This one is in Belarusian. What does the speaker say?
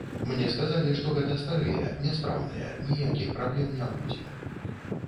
Мне сказалі, што гэта старыя, няспраўныя, ніякіх праблем не будзе.